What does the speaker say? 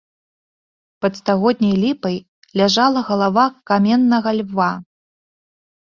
Пад стагодняй ліпай ляжала галава каменнага льва.